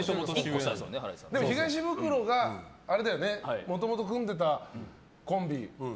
東ブクロがもともと組んでたコンビ。